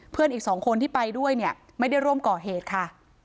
เพื่อนอีก๒คนที่ไปด้วยไม่ได้ร่วมก่อเหตุค่ะ